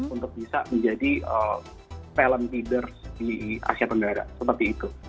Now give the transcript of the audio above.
untuk bisa menjadi talent leaders di asia tenggara seperti itu